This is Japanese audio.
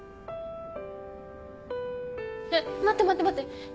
えっ待って待って待って。